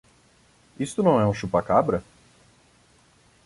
Isto não é um chupa-cabra?